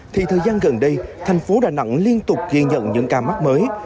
thì thời gian gần đây tp đà nẵng liên tục ghi nhận những ca mắc mới